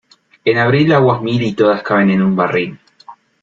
En abril aguas mil y todas caben en un barril.